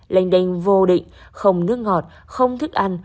lênh đanh vô định không nước ngọt không thức ăn